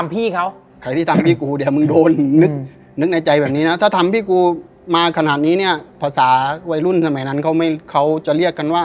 ถ้าทำพี่ปีกูมาขนาดนี้ประสาวัยรุ่นสมัยนั้นเขาจะเรียกกันว่า